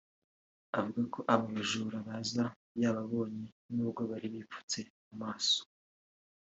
Avuga ko aba bajura baza yababonye nubwo bari bipfutse mu maso